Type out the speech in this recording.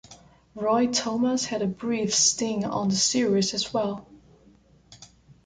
Roy Thomas had a brief sting on the series as well.